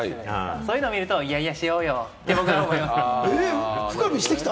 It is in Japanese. そういうのを見ると、いやいや、しようよ！って思いました。